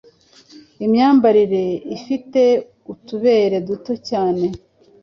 inyamabere ifite utubere duto cyane.